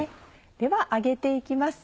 では揚げて行きます。